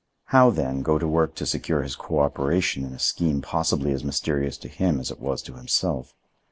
How, then, go to work to secure his cooperation in a scheme possibly as mysterious to him as it was to himself?